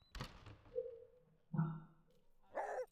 伴随大脑过程的意识经验不会产生因果效用。